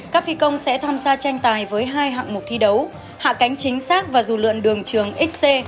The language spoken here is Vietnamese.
các phi công sẽ tham gia tranh tài với hai hạng mục thi đấu hạ cánh chính xác và dù lượn đường trường xc